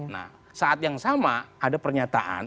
nah saat yang sama ada pernyataan